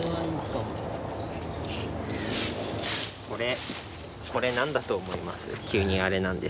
これ何だと思います？